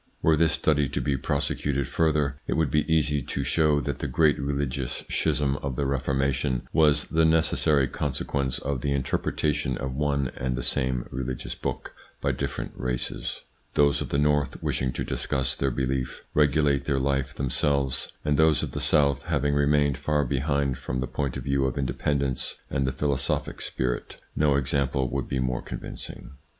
Were this study to be prosecuted further, it would be easy to show that the great religious schism of the Reformation was the necessary consequence of the interpretation of one and the same religious book by different races : those of the North, wishing to discuss their belief, regulate their life themselves, and those of the South having remained far behind from the point of view of independence and the philosophic spirit. No example would be more convincing.